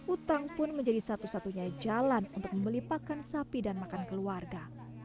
utang pun menjadi satu satunya jalan untuk membeli pakan sapi dan makan keluarga